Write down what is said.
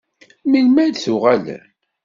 Melmi ad d-tuɣalem?